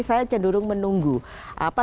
saya cenderung menunggu apa